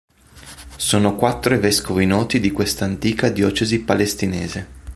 Sono quattro i vescovi noti di questa antica diocesi palestinese.